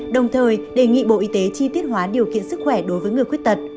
đồng thời đề nghị bộ y tế chi tiết hóa điều kiện sức khỏe đối với người khuyết tật